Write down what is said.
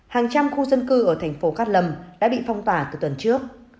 hàng trăm khu dân cư ở thành phố cát lâm đã bị phong tỏa từ tuần trước